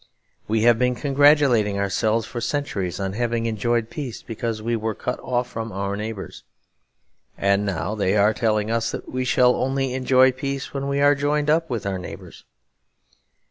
We have been congratulating ourselves for centuries on having enjoyed peace because we were cut off from our neighbours. And now they are telling us that we shall only enjoy peace when we are joined up with our neighbours.